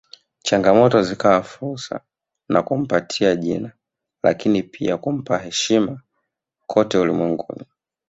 Changamoto zikawa fursa na kumpatia jina lakini pia kumpa heshima kote ulimwenguni